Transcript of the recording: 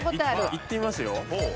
いってみますよ。